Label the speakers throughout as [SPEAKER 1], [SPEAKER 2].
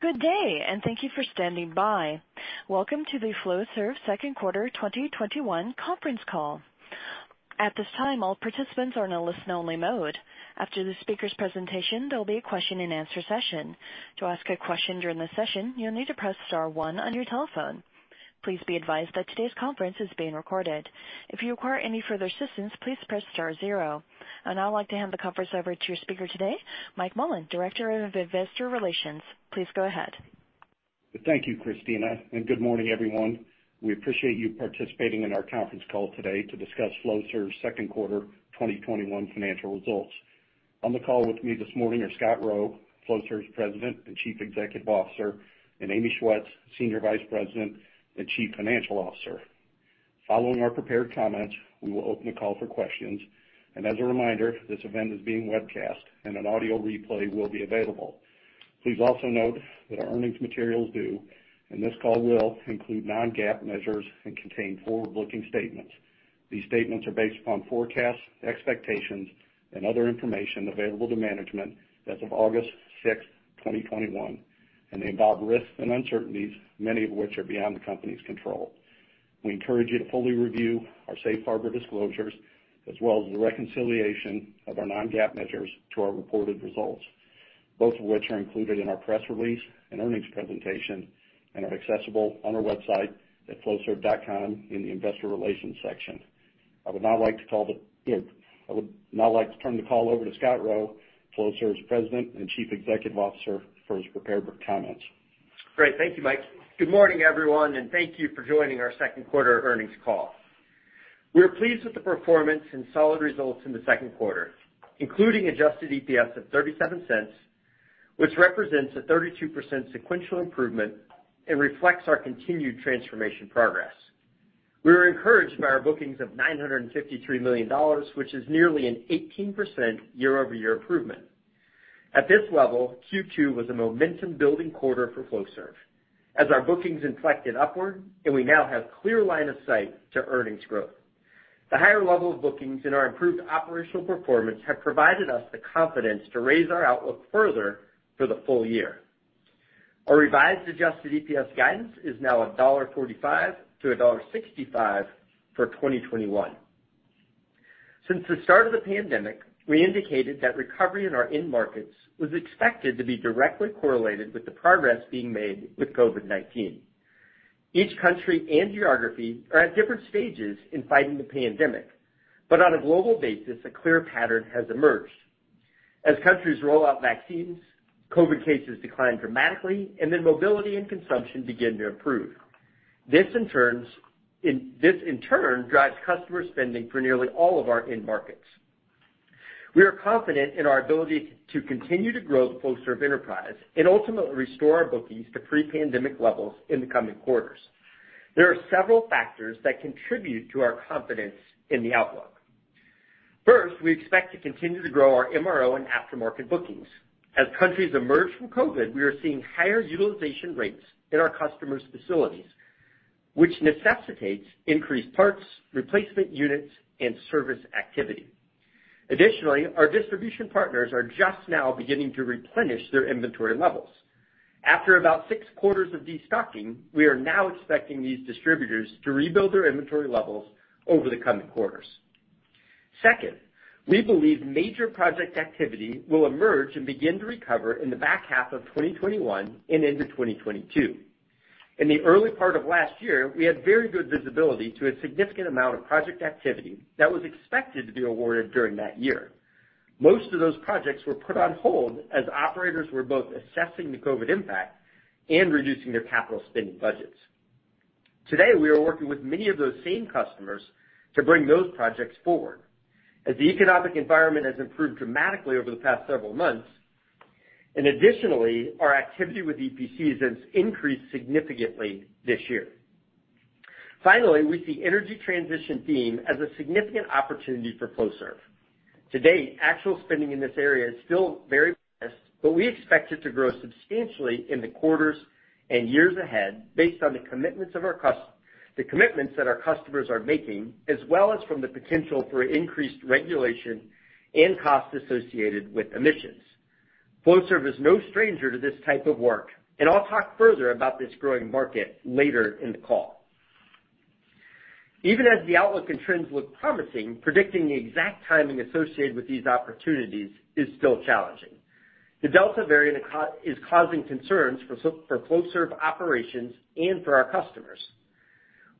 [SPEAKER 1] Good day and thank you for standing by. Welcome to the Flowserve's second quarter 2021 conference call. At this time all participants are in listen-only mode. After the speaker's presentation there'll be a question and answer session. To ask a question during the session, you need to press star one on your telephone. Please be advised that this conference is being recorded. If you require any further assistance, please press star zero. I'd now like to hand the conference over to your speaker today, Mike Mullin, Director of Investor Relations. Please go ahead.
[SPEAKER 2] Thank you, Christina, and good morning, everyone. We appreciate you participating in our conference call today to discuss Flowserve's second quarter 2021 financial results. On the call with me this morning are Scott Rowe, Flowserve's President and Chief Executive Officer, and Amy Schwetz, Senior Vice President and Chief Financial Officer. Following our prepared comments, we will open the call for questions. As a reminder, this event is being webcast and an audio replay will be available. Please also note that our earnings materials do, and this call will, include non-GAAP measures and contain forward-looking statements. These statements are based upon forecasts, expectations, and other information available to management as of August 6th, 2021, and involve risks and uncertainties, many of which are beyond the company's control. We encourage you to fully review our safe harbor disclosures, as well as the reconciliation of our non-GAAP measures to our reported results, both of which are included in our press release and earnings presentation and are accessible on our website at flowserve.com in the investor relations section. I would now like to turn the call over to Scott Rowe, Flowserve's President and Chief Executive Officer, for his prepared comments.
[SPEAKER 3] Great. Thank you, Mike. Good morning, everyone, and thank you for joining our second quarter earnings call. We are pleased with the performance and solid results in the second quarter, including adjusted EPS of $0.37, which represents a 32% sequential improvement and reflects our continued transformation progress. We were encouraged by our bookings of $953 million, which is nearly an 18% year-over-year improvement. At this level, Q2 was a momentum building quarter for Flowserve as our bookings inflected upward, and we now have clear line of sight to earnings growth. The higher level of bookings and our improved operational performance have provided us the confidence to raise our outlook further for the full year. Our revised adjusted EPS guidance is now $1.45-$1.65 for 2021. Since the start of the pandemic, we indicated that recovery in our end markets was expected to be directly correlated with the progress being made with COVID-19. Each country and geography are at different stages in fighting the pandemic. On a global basis, a clear pattern has emerged. As countries roll out vaccines, COVID cases decline dramatically, mobility and consumption begin to improve. This in turn drives customer spending for nearly all of our end markets. We are confident in our ability to continue to grow the Flowserve enterprise and ultimately restore our bookings to pre-pandemic levels in the coming quarters. There are several factors that contribute to our confidence in the outlook. First, we expect to continue to grow our MRO and aftermarket bookings. As countries emerge from COVID, we are seeing higher utilization rates in our customers' facilities, which necessitates increased parts, replacement units, and service activity. Additionally, our distribution partners are just now beginning to replenish their inventory levels. After about six quarters of destocking, we are now expecting these distributors to rebuild their inventory levels over the coming quarters. Second, we believe major project activity will emerge and begin to recover in the back half of 2021 and into 2022. In the early part of last year, we had very good visibility to a significant amount of project activity that was expected to be awarded during that year. Most of those projects were put on hold as operators were both assessing the COVID impact and reducing their capital spending budgets. Today, we are working with many of those same customers to bring those projects forward as the economic environment has improved dramatically over the past several months. Additionally, our activity with EPCs has increased significantly this year. Finally, we see energy transition theme as a significant opportunity for Flowserve. To date, actual spending in this area is still very less. We expect it to grow substantially in the quarters and years ahead based on the commitments that our customers are making, as well as from the potential for increased regulation and cost associated with emissions. Flowserve is no stranger to this type of work. I'll talk further about this growing market later in the call. Even as the outlook and trends look promising, predicting the exact timing associated with these opportunities is still challenging. The Delta variant is causing concerns for Flowserve operations and for our customers.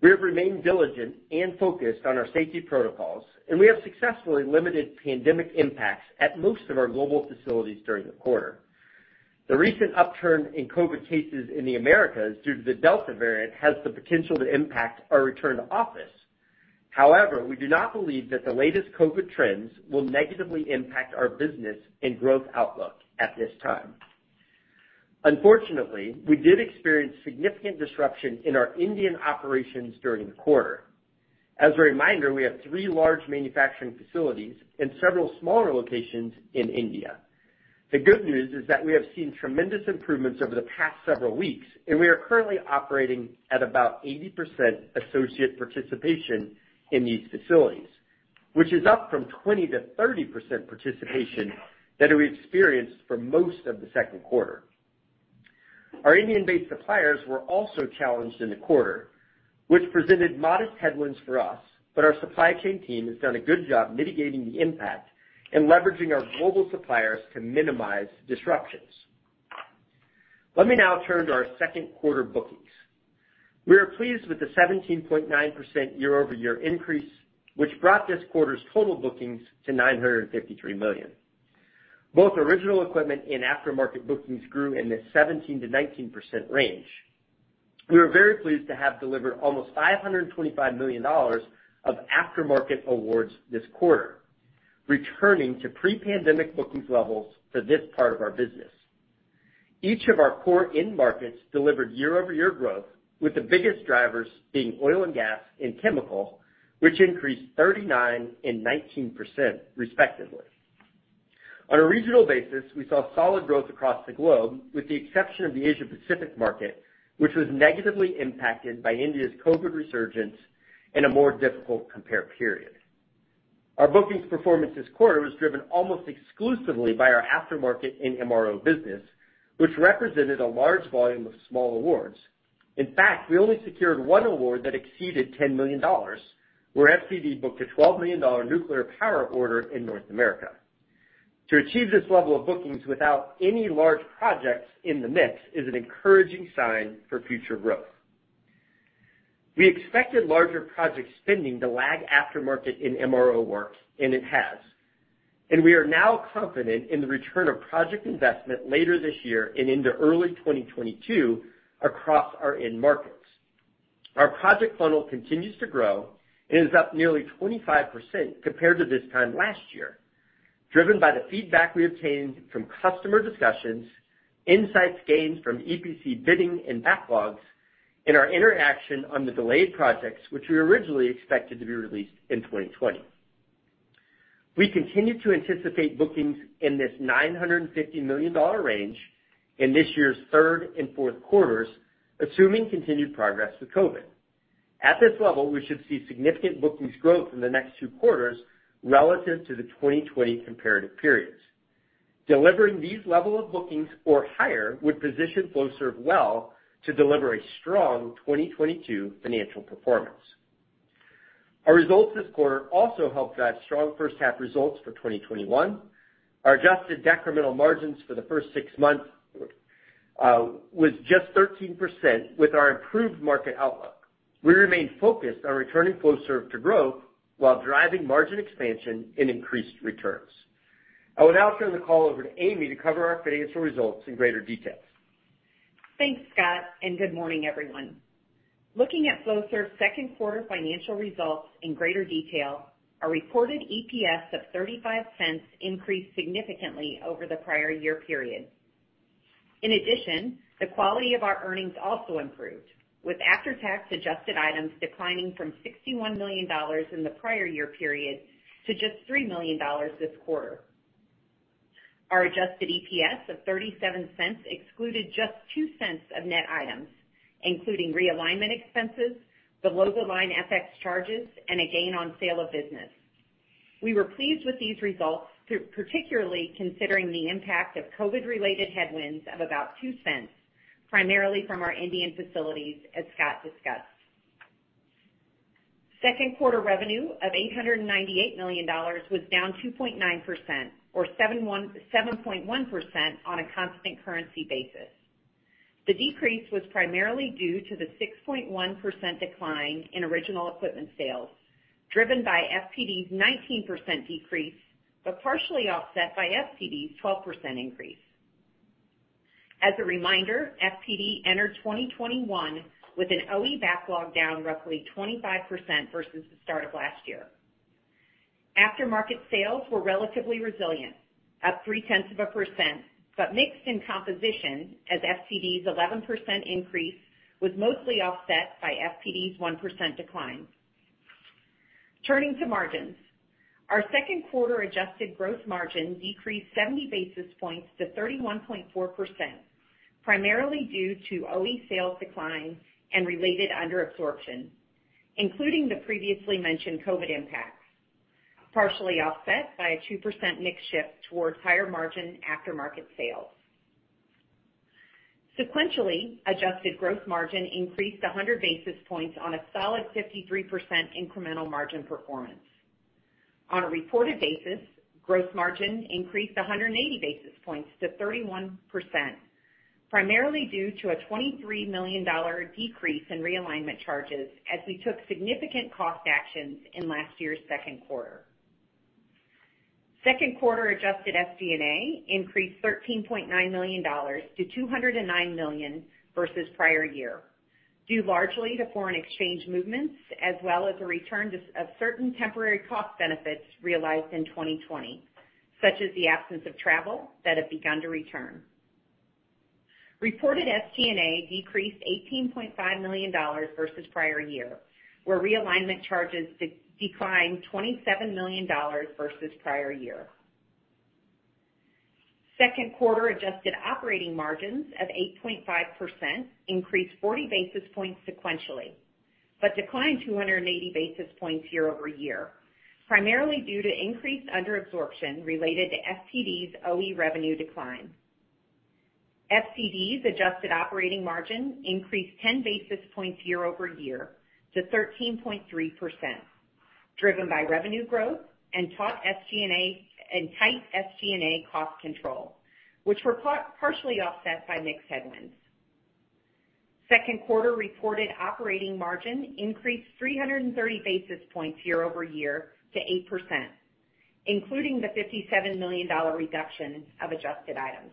[SPEAKER 3] We have remained diligent and focused on our safety protocols, and we have successfully limited pandemic impacts at most of our global facilities during the quarter. The recent upturn in COVID cases in the Americas due to the Delta variant has the potential to impact our return to office. However, we do not believe that the latest COVID trends will negatively impact our business and growth outlook at this time. Unfortunately, we did experience significant disruption in our Indian operations during the quarter. As a reminder, we have three large manufacturing facilities and several smaller locations in India. The good news is that we have seen tremendous improvements over the past several weeks, and we are currently operating at about 80% associate participation in these facilities. Which is up from 20%-30% participation that we experienced for most of the second quarter. Our Indian-based suppliers were also challenged in the quarter, which presented modest headwinds for us, but our supply chain team has done a good job mitigating the impact and leveraging our global suppliers to minimize disruptions. Let me now turn to our second quarter bookings. We are pleased with the 17.9% year-over-year increase, which brought this quarter's total bookings to $953 million. Both original equipment and aftermarket bookings grew in the 17%-19% range. We are very pleased to have delivered almost $525 million of aftermarket awards this quarter, returning to pre-pandemic bookings levels for this part of our business. Each of our core end markets delivered year-over-year growth, with the biggest drivers being oil and gas and chemical, which increased 39% and 19% respectively. On a regional basis, we saw solid growth across the globe, with the exception of the Asia-Pacific market, which was negatively impacted by India's COVID resurgence and a more difficult compare period. Our bookings performance this quarter was driven almost exclusively by our aftermarket and MRO business, which represented a large volume of small awards. In fact, we only secured one award that exceeded $10 million, where FPD booked a $12 million nuclear power order in North America. To achieve this level of bookings without any large projects in the mix is an encouraging sign for future growth. We expected larger project spending to lag aftermarket and MRO work, and it has. We are now confident in the return of project investment later this year and into early 2022 across our end markets. Our project funnel continues to grow and is up nearly 25% compared to this time last year, driven by the feedback we obtained from customer discussions, insights gained from EPC bidding and backlogs, and our interaction on the delayed projects which we originally expected to be released in 2020. We continue to anticipate bookings in this $950 million range in this year's third and fourth quarters, assuming continued progress with COVID. At this level, we should see significant bookings growth in the next two quarters relative to the 2020 comparative periods. Delivering these level of bookings or higher would position Flowserve well to deliver a strong 2022 financial performance. Our results this quarter also helped drive strong first half results for 2021. Our adjusted decremental margins for the first six months was just 13% with our improved market outlook. We remain focused on returning Flowserve to growth while driving margin expansion and increased returns. I would now turn the call over to Amy to cover our financial results in greater detail.
[SPEAKER 4] Thanks, Scott, good morning, everyone. Looking at Flowserve's second quarter financial results in greater detail, our reported EPS of $0.35 increased significantly over the prior year period. In addition, the quality of our earnings also improved, with after-tax adjusted items declining from $61 million in the prior year period to just $3 million this quarter. Our adjusted EPS of $0.37 excluded just $0.02 of net items, including realignment expenses, below-the-line FX charges, and a gain on sale of business. We were pleased with these results, particularly considering the impact of COVID-related headwinds of about $0.02, primarily from our Indian facilities, as Scott discussed. Second quarter revenue of $898 million was down 2.9%, or 7.1% on a constant currency basis. The decrease was primarily due to the 6.1% decline in original equipment sales, driven by FPD's 19% decrease, but partially offset by FCD's 12% increase. As a reminder, FPD entered 2021 with an OE backlog down roughly 25% versus the start of last year. Aftermarket sales were relatively resilient, up 0.3%, Mixed in composition as FCD's 11% increase was mostly offset by FPD's 1% decline. Turning to margins. Our second quarter adjusted gross margin decreased 70 basis points to 31.4%, primarily due to OE sales decline and related under absorption, including the previously mentioned COVID impacts, partially offset by a 2% mix shift towards higher margin aftermarket sales. Sequentially, adjusted gross margin increased 100 basis points on a solid 53% incremental margin performance. On a reported basis, gross margin increased 180 basis points to 31%, primarily due to a $23 million decrease in realignment charges as we took significant cost actions in last year's second quarter. Second quarter adjusted SG&A increased $13.9 million to $209 million versus prior year, due largely to foreign exchange movements as well as a return of certain temporary cost benefits realized in 2020, such as the absence of travel that have begun to return. Reported SG&A decreased $18.5 million versus prior year, where realignment charges declined $27 million versus prior year. Second quarter adjusted operating margins of 8.5% increased 40 basis points sequentially, declined 280 basis points year-over-year, primarily due to increased under absorption related to FPD's OE revenue decline. FCD's adjusted operating margin increased 10 basis points year-over-year to 13.3%, driven by revenue growth and tight SG&A cost control, which were partially offset by mix headwinds. Second quarter reported operating margin increased 330 basis points year-over-year to 8%, including the $57 million reduction of adjusted items.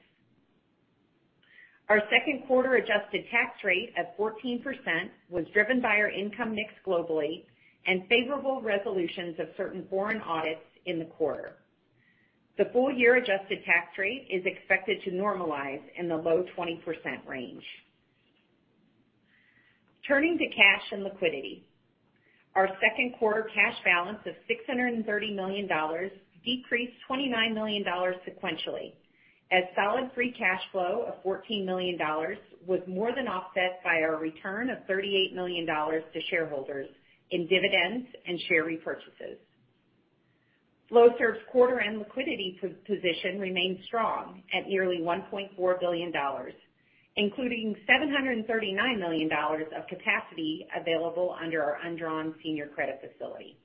[SPEAKER 4] Our second quarter adjusted tax rate of 14% was driven by our income mix globally and favorable resolutions of certain foreign audits in the quarter. The full-year adjusted tax rate is expected to normalize in the low 20% range. Turning to cash and liquidity. Our second quarter cash balance of $630 million decreased $29 million sequentially, as solid free cash flow of $14 million was more than offset by our return of $38 million to shareholders in dividends and share repurchases. Flowserve's quarter end liquidity position remains strong at nearly $1.4 billion, including $739 million of capacity available under our undrawn senior credit facility.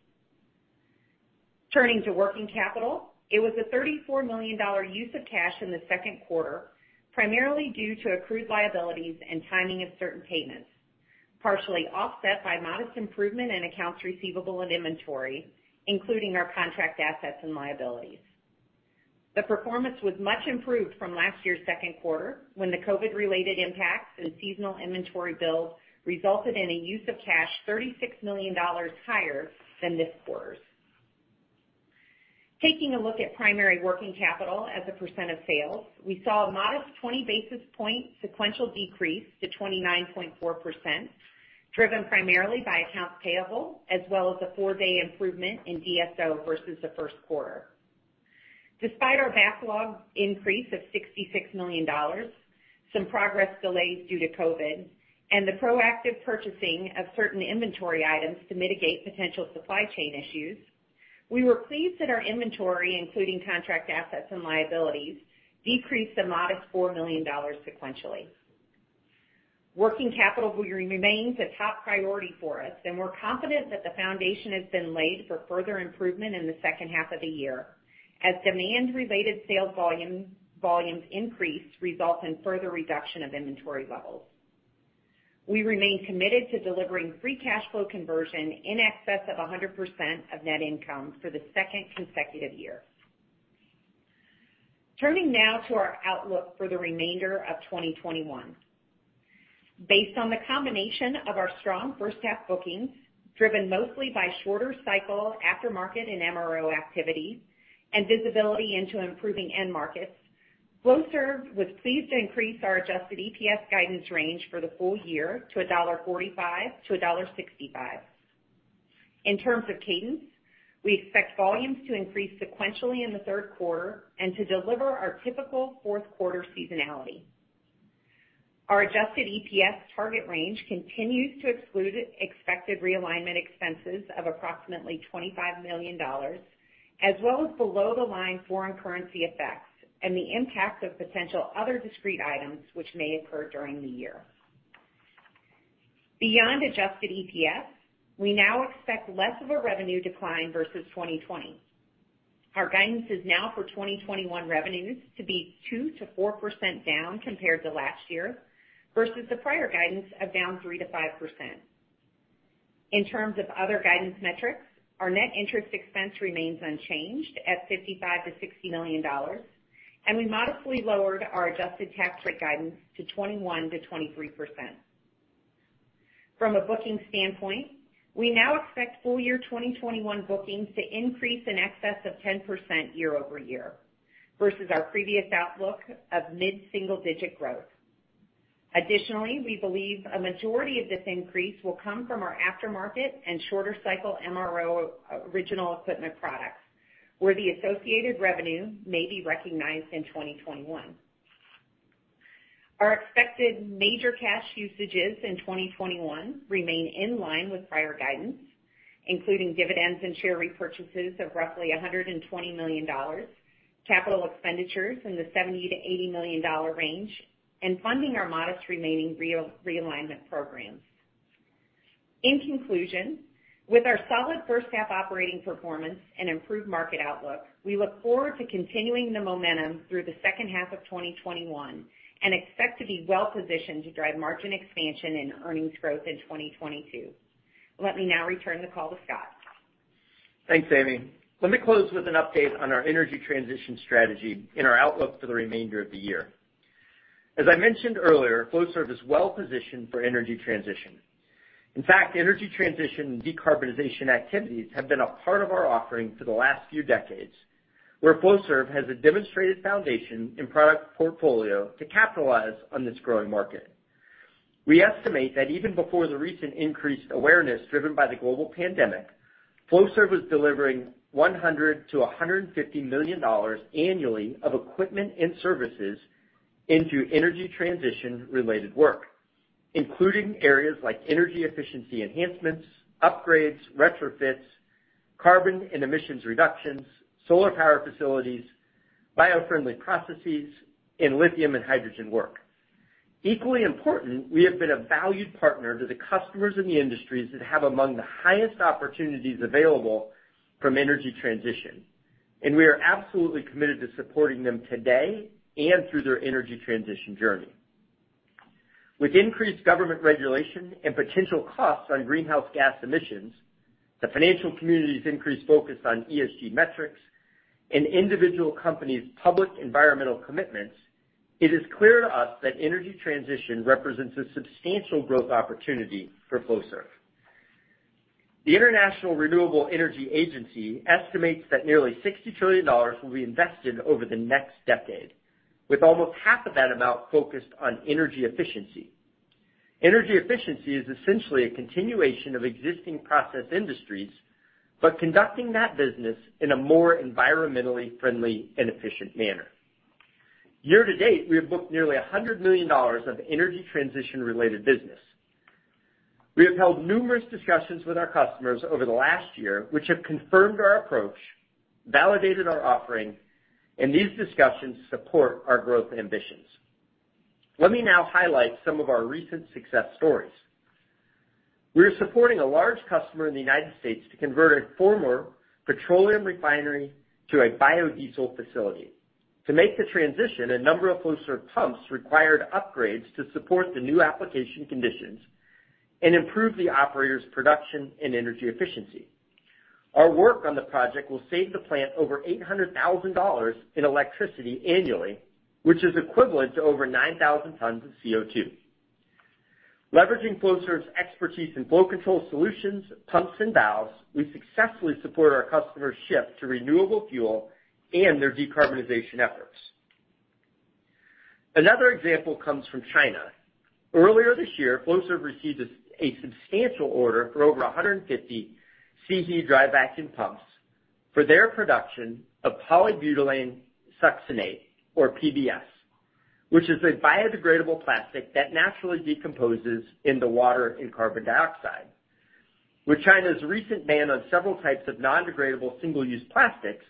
[SPEAKER 4] Turning to working capital, it was a $34 million use of cash in the second quarter, primarily due to accrued liabilities and timing of certain payments, partially offset by modest improvement in accounts receivable and inventory, including our contract assets and liabilities. The performance was much improved from last year's second quarter, when the COVID-related impacts and seasonal inventory build resulted in a use of cash $36 million higher than this quarter's. Taking a look at primary working capital as a percent of sales, we saw a modest 20 basis point sequential decrease to 29.4%, driven primarily by accounts payable, as well as a four-day improvement in DSO versus the first quarter. Despite our backlog increase of $66 million, some progress delays due to COVID, and the proactive purchasing of certain inventory items to mitigate potential supply chain issues, we were pleased that our inventory, including contract assets and liabilities, decreased a modest $4 million sequentially. Working capital remains a top priority for us. We're confident that the foundation has been laid for further improvement in the second half of the year as demand-related sales volumes increase result in further reduction of inventory levels. We remain committed to delivering free cash flow conversion in excess of 100% of net income for the second consecutive year. Turning now to our outlook for the remainder of 2021. Based on the combination of our strong first half bookings, driven mostly by shorter cycle aftermarket and MRO activity and visibility into improving end markets, Flowserve was pleased to increase our adjusted EPS guidance range for the full year to $1.45-$1.65. In terms of cadence, we expect volumes to increase sequentially in the third quarter and to deliver our typical fourth quarter seasonality. Our adjusted EPS target range continues to exclude expected realignment expenses of approximately $25 million, as well as below-the-line foreign currency effects and the impact of potential other discrete items which may occur during the year. Beyond adjusted EPS, we now expect less of a revenue decline versus 2020. Our guidance is now for 2021 revenues to be 2%-4% down compared to last year, versus the prior guidance of down 3%-5%. In terms of other guidance metrics, our net interest expense remains unchanged at $55 million-$60 million, and we modestly lowered our adjusted tax rate guidance to 21%-23%. From a booking standpoint, we now expect full year 2021 bookings to increase in excess of 10% year-over-year, versus our previous outlook of mid-single digit growth. Additionally, we believe a majority of this increase will come from our aftermarket and shorter cycle MRO original equipment products, where the associated revenue may be recognized in 2021. Our expected major cash usages in 2021 remain in line with prior guidance, including dividends and share repurchases of roughly $120 million, capital expenditures in the $70 million-$80 million range, and funding our modest remaining realignment programs. In conclusion, with our solid first half operating performance and improved market outlook, we look forward to continuing the momentum through the second half of 2021 and expect to be well positioned to drive margin expansion and earnings growth in 2022. Let me now return the call to Scott.
[SPEAKER 3] Thanks, Amy. Let me close with an update on our energy transition strategy and our outlook for the remainder of the year. As I mentioned earlier, Flowserve is well positioned for energy transition. In fact, energy transition and decarbonization activities have been a part of our offering for the last few decades, where Flowserve has a demonstrated foundation and product portfolio to capitalize on this growing market. We estimate that even before the recent increased awareness driven by the global pandemic, Flowserve was delivering $100 million-$150 million annually of equipment and services into energy transition related work, including areas like energy efficiency enhancements, upgrades, retrofits, carbon and emissions reductions, solar power facilities, bio-friendly processes, and lithium and hydrogen work. Equally important, we have been a valued partner to the customers in the industries that have among the highest opportunities available from energy transition, and we are absolutely committed to supporting them today and through their energy transition journey. With increased government regulation and potential costs on greenhouse gas emissions, the financial community's increased focus on ESG metrics, and individual companies' public environmental commitments, it is clear to us that energy transition represents a substantial growth opportunity for Flowserve. The International Renewable Energy Agency estimates that nearly $60 trillion will be invested over the next decade, with almost half of that amount focused on energy efficiency. Energy efficiency is essentially a continuation of existing process industries, but conducting that business in a more environmentally friendly and efficient manner. Year-to-date, we have booked nearly $100 million of energy transition related business. We have held numerous discussions with our customers over the last year, which have confirmed our approach, validated our offering, and these discussions support our growth ambitions. Let me now highlight some of our recent success stories. We are supporting a large customer in the United States to convert a former petroleum refinery to a biodiesel facility. To make the transition, a number of Flowserve pumps required upgrades to support the new application conditions and improve the operator's production and energy efficiency. Our work on the project will save the plant over $800,000 in electricity annually, which is equivalent to over 9,000 tons of CO2. Leveraging Flowserve's expertise in flow control solutions, pumps, and valves, we successfully support our customers' shift to renewable fuel and their decarbonization efforts. Another example comes from China. Earlier this year, Flowserve received a substantial order for over 150 SIHI H1000 Dry vacuum pumps for their production of polybutylene succinate, or PBS, which is a biodegradable plastic that naturally decomposes into water and carbon dioxide. With China's recent ban on several types of non-degradable single-use plastics,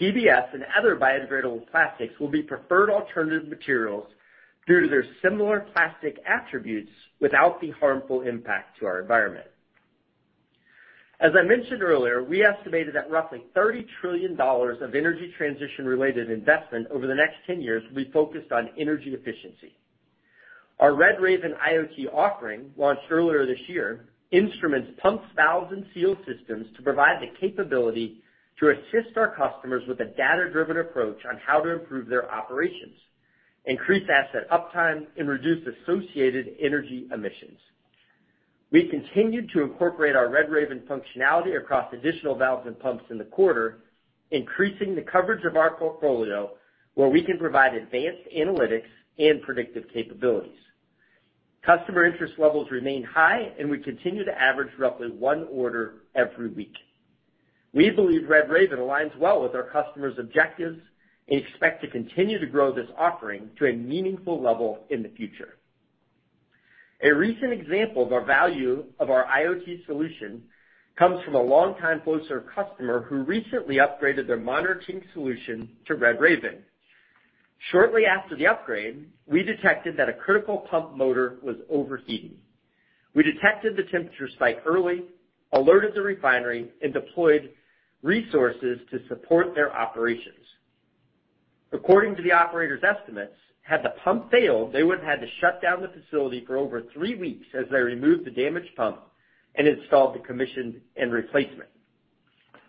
[SPEAKER 3] PBS and other biodegradable plastics will be preferred alternative materials due to their similar plastic attributes without the harmful impact to our environment. As I mentioned earlier, we estimated that roughly $30 trillion of energy transition related investment over the next 10 years will be focused on energy efficiency. Our RedRaven IoT offering, launched earlier this year, instruments pumps, valves, and seal systems to provide the capability to assist our customers with a data-driven approach on how to improve their operations, increase asset uptime, and reduce associated energy emissions. We continued to incorporate our RedRaven functionality across additional valves and pumps in the quarter, increasing the coverage of our portfolio where we can provide advanced analytics and predictive capabilities. Customer interest levels remain high, and we continue to average roughly one order every week. We believe RedRaven aligns well with our customers' objectives and expect to continue to grow this offering to a meaningful level in the future. A recent example of our value of our IoT solution comes from a longtime Flowserve customer who recently upgraded their monitoring solution to RedRaven. Shortly after the upgrade, we detected that a critical pump motor was overheating. We detected the temperature spike early, alerted the refinery, and deployed resources to support their operations. According to the operator's estimates, had the pump failed, they would've had to shut down the facility for over three weeks as they removed the damaged pump and installed the commission and replacement.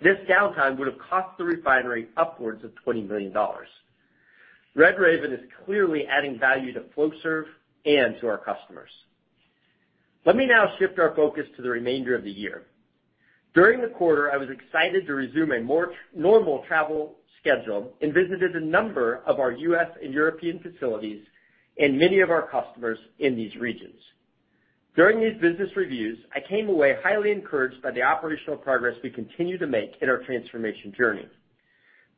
[SPEAKER 3] This downtime would've cost the refinery upwards of $20 million. RedRaven is clearly adding value to Flowserve and to our customers. Let me now shift our focus to the remainder of the year. During the quarter, I was excited to resume a more normal travel schedule and visited a number of our U.S. and European facilities and many of our customers in these regions. During these business reviews, I came away highly encouraged by the operational progress we continue to make in our transformation journey.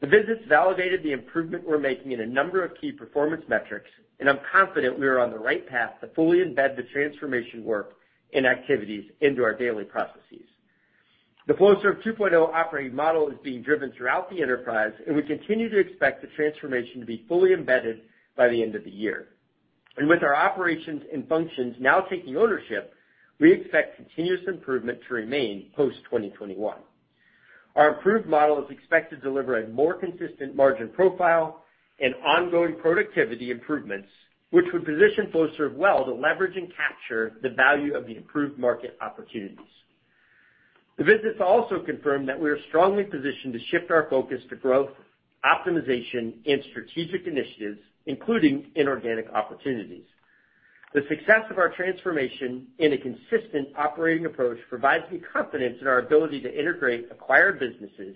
[SPEAKER 3] The visits validated the improvement we're making in a number of key performance metrics, and I'm confident we are on the right path to fully embed the transformation work and activities into our daily processes. The Flowserve 2.0 operating model is being driven throughout the enterprise, and we continue to expect the transformation to be fully embedded by the end of the year. With our operations and functions now taking ownership, we expect continuous improvement to remain post-2021. Our improved model is expected to deliver a more consistent margin profile and ongoing productivity improvements, which would position Flowserve well to leverage and capture the value of the improved market opportunities. The visits also confirmed that we are strongly positioned to shift our focus to growth, optimization, and strategic initiatives, including inorganic opportunities. The success of our transformation in a consistent operating approach provides me confidence in our ability to integrate acquired businesses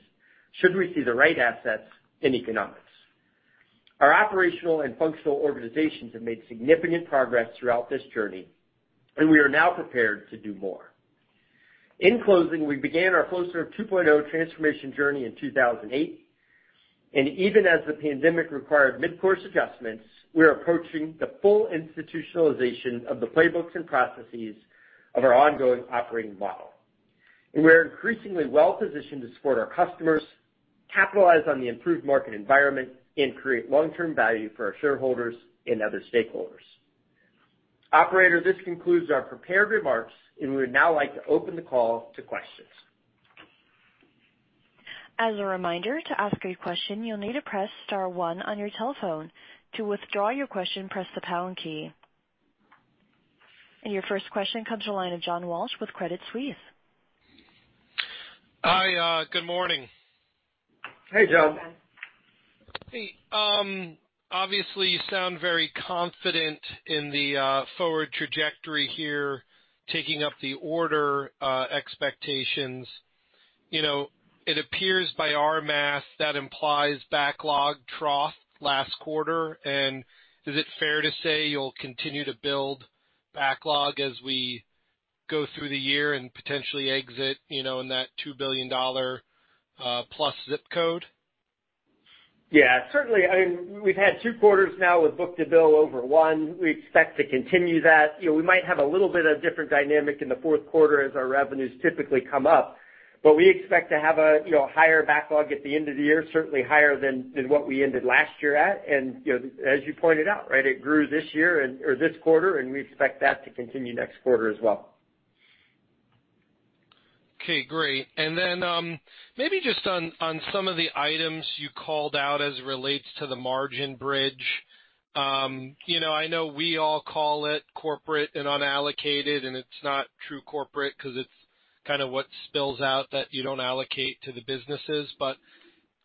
[SPEAKER 3] should we see the right assets and economics. Our operational and functional organizations have made significant progress throughout this journey, and we are now prepared to do more. In closing, we began our Flowserve 2.0 transformation journey in 2008, and even as the pandemic required mid-course adjustments, we are approaching the full institutionalization of the playbooks and processes of our ongoing operating model. We are increasingly well-positioned to support our customers, capitalize on the improved market environment, and create long-term value for our shareholders and other stakeholders. Operator, this concludes our prepared remarks, and we would now like to open the call to questions.
[SPEAKER 1] As a reminder, to ask a question, you'll need to press star one on your telephone. To withdraw your question, press the pound key. Your first question comes to the line of John Walsh with Credit Suisse.
[SPEAKER 5] Hi, good morning.
[SPEAKER 3] Hey, John.
[SPEAKER 5] Hey. Obviously, you sound very confident in the forward trajectory here, taking up the order expectations. It appears by our math that implies backlog trough last quarter. Is it fair to say you'll continue to build backlog as we go through the year and potentially exit in that $2 billion plus ZIP code?
[SPEAKER 3] Yeah, certainly. We've had two quarters now with book-to-bill over 1. We expect to continue that. We might have a little bit of different dynamic in the fourth quarter as our revenues typically come up. We expect to have a higher backlog at the end of the year, certainly higher than what we ended last year at. As you pointed out, it grew this quarter, and we expect that to continue next quarter as well.
[SPEAKER 5] Great. Then maybe just on some of the items you called out as it relates to the margin bridge. I know we all call it corporate and unallocated, and it's not true corporate because it's kind of what spills out that you don't allocate to the businesses.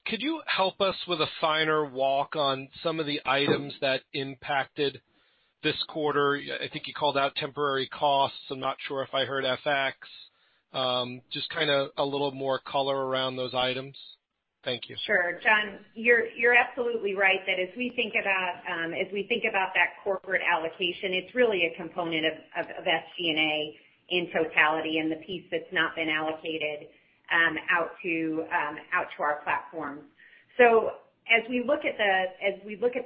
[SPEAKER 5] Could you help us with a finer walk on some of the items that impacted this quarter? I think you called out temporary costs. I'm not sure if I heard FX. Just a little more color around those items. Thank you.
[SPEAKER 4] Sure. John, you're absolutely right that as we think about that corporate allocation, it's really a component of SG&A in totality and the piece that's not been allocated out to our platforms. As we look at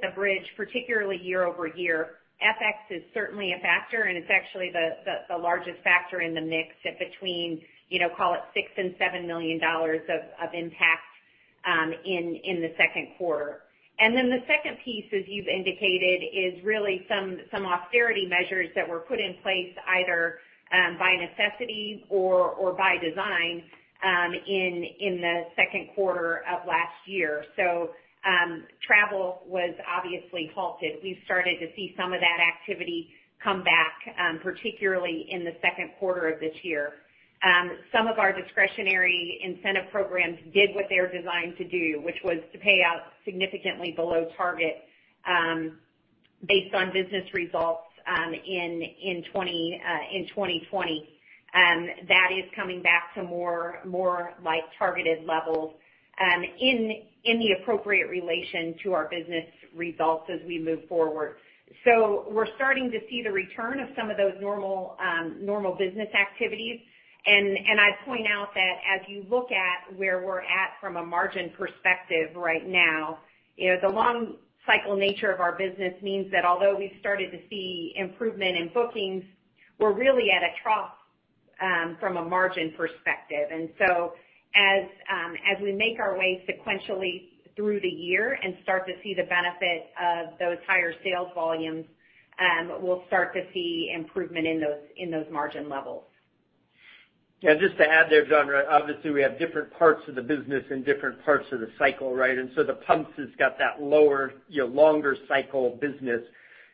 [SPEAKER 4] the bridge, particularly year-over-year, FX is certainly a factor, and it's actually the largest factor in the mix at between call it $6 million and $7 million of impact in the second quarter. The second piece, as you've indicated, is really some austerity measures that were put in place either by necessity or by design in the second quarter of last year. Travel was obviously halted. We've started to see some of that activity come back, particularly in the second quarter of this year. Some of our discretionary incentive programs did what they were designed to do, which was to pay out significantly below target based on business results in 2020. That is coming back to more targeted levels in the appropriate relation to our business results as we move forward. We're starting to see the return of some of those normal business activities. I point out that as you look at where we're at from a margin perspective right now, the long cycle nature of our business means that although we've started to see improvement in bookings, we're really at a trough from a margin perspective. As we make our way sequentially through the year and start to see the benefit of those higher sales volumes, we'll start to see improvement in those margin levels.
[SPEAKER 3] Just to add there, John, obviously we have different parts of the business in different parts of the cycle, right? The pumps has got that lower longer cycle business,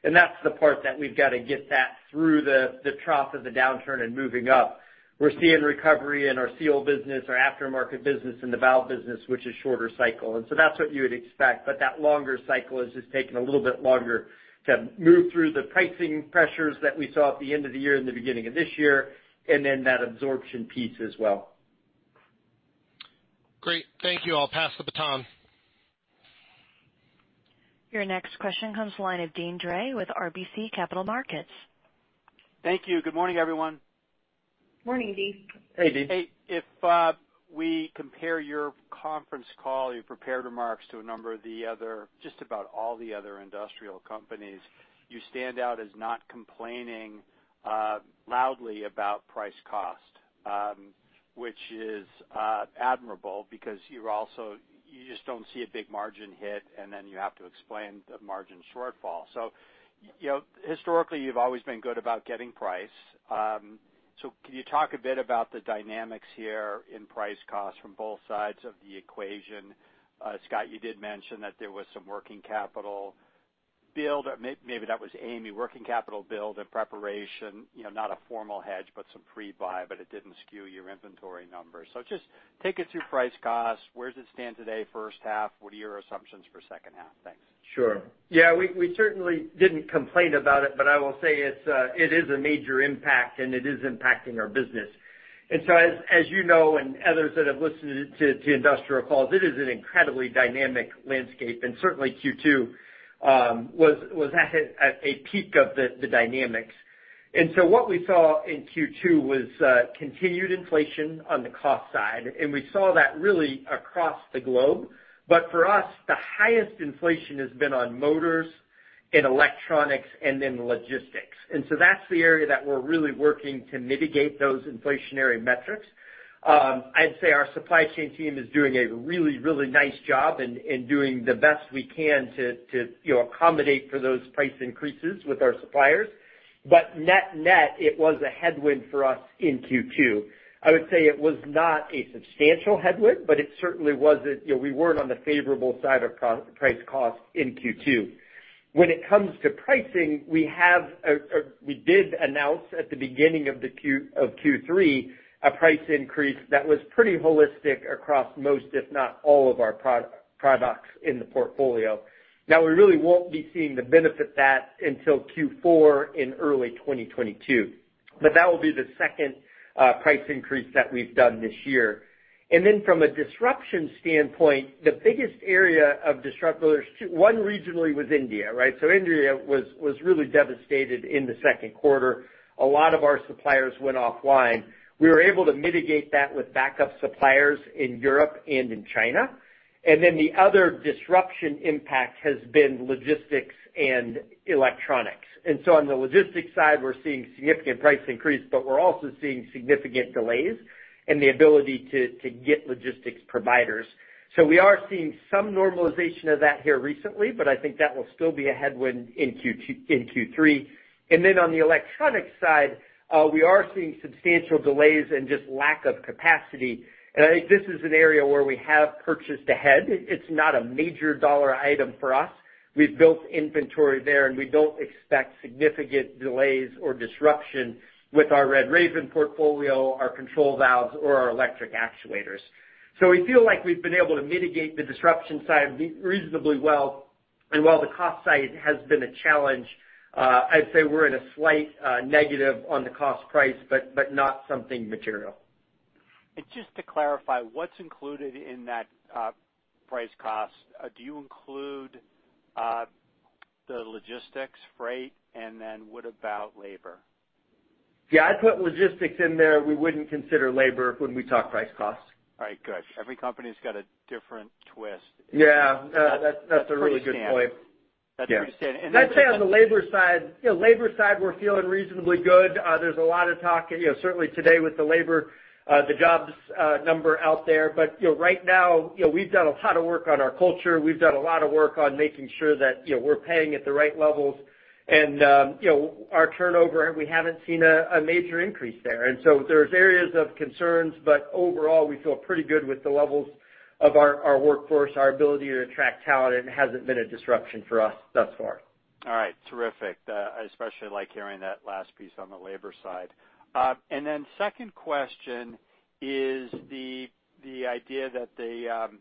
[SPEAKER 3] and that's the part that we've got to get that through the trough of the downturn and moving up. We're seeing recovery in our seal business, our aftermarket business, and the valve business, which is shorter cycle. That's what you would expect. That longer cycle has just taken a little bit longer to move through the pricing pressures that we saw at the end of the year and the beginning of this year, and then that absorption piece as well.
[SPEAKER 5] Great. Thank you. I'll pass the baton.
[SPEAKER 1] Your next question comes to the line of Deane Dray with RBC Capital Markets.
[SPEAKER 6] Thank you. Good morning, everyone.
[SPEAKER 4] Morning, Deane Dray.
[SPEAKER 3] Hey, Deane.
[SPEAKER 6] Hey. If we compare your conference call, your prepared remarks to a number of the other, just about all the other industrial companies, you stand out as not complaining loudly about price cost, which is admirable because you just don't see a big margin hit, and then you have to explain the margin shortfall. Historically, you've always been good about getting price. Can you talk a bit about the dynamics here in price cost from both sides of the equation? Scott, you did mention that there was some working capital build. Maybe that was Amy. Working capital build in preparation, not a formal hedge, but some pre-buy, but it didn't skew your inventory numbers. Just take us through price cost. Where does it stand today, first half? What are your assumptions for second half? Thanks.
[SPEAKER 3] Sure. Yeah, we certainly didn't complain about it, but I will say it is a major impact, and it is impacting our business. As you know, and others that have listened to industrial calls, it is an incredibly dynamic landscape, and certainly Q2 was at a peak of the dynamics. What we saw in Q2 was continued inflation on the cost side, and we saw that really across the globe. For us, the highest inflation has been on motors and electronics and then logistics. That's the area that we're really working to mitigate those inflationary metrics. I'd say our supply chain team is doing a really, really nice job and doing the best we can to accommodate for those price increases with our suppliers. Net-net, it was a headwind for us in Q2. I would say it was not a substantial headwind, but we weren't on the favorable side of price cost in Q2. When it comes to pricing, we did announce at the beginning of Q3 a price increase that was pretty holistic across most, if not all, of our products in the portfolio. Now, we really won't be seeing the benefit of that until Q4 in early 2022. That will be the second price increase that we've done this year. From a disruption standpoint, the biggest area of struggle well, two. One regionally was India, right? India was really devastated in the second quarter. A lot of our suppliers went offline. We were able to mitigate that with backup suppliers in Europe and in China. The other disruption impact has been logistics and electronics. On the logistics side, we're seeing significant price increase, but we're also seeing significant delays in the ability to get logistics providers. We are seeing some normalization of that here recently, but I think that will still be a headwind in Q3. On the electronic side, we are seeing substantial delays and just lack of capacity. I think this is an area where we have purchased ahead. It's not a major dollar item for us. We've built inventory there, and we don't expect significant delays or disruption with our RedRaven portfolio, our control valves, or our electric actuators. We feel like we've been able to mitigate the disruption side reasonably well. While the cost side has been a challenge, I'd say we're in a slight negative on the cost price, but not something material.
[SPEAKER 6] Just to clarify, what's included in that price cost? Do you include the logistics, freight? What about labor?
[SPEAKER 3] Yeah, I put logistics in there. We wouldn't consider labor when we talk price cost.
[SPEAKER 6] All right, good. Every company's got a different twist.
[SPEAKER 3] Yeah. That's a really good point.
[SPEAKER 6] That's pretty standard.
[SPEAKER 3] I'd say on the labor side, we're feeling reasonably good. There's a lot of talk, certainly today with the labor, the jobs number out there. Right now, we've done a lot of work on our culture. We've done a lot of work on making sure that we're paying at the right levels. Our turnover, we haven't seen a major increase there. There's areas of concerns, but overall, we feel pretty good with the levels of our workforce, our ability to attract talent, and it hasn't been a disruption for us thus far.
[SPEAKER 6] All right. Terrific. I especially like hearing that last piece on the labor side. Second question is the idea that the